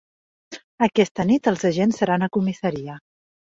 Aquesta nit els agents seran a comissaria.